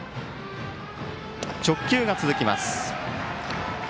直球が続きます。